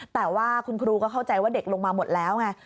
แต่ว่าคุณครูก็เข้าใจว่าเด็กลงมาหมดแล้วไง